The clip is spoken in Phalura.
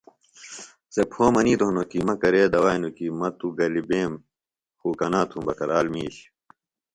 سےۡ پھو منِیتوۡ ہنوۡ کیۡ مہ کرے دوئانوۡ کیۡ مہ توۡ گلیۡ بیم خُو کنا تُھوم بکرال مِیش